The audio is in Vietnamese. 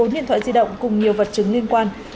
một mươi bốn điện thoại di động cùng nhiều vật chứng liên quan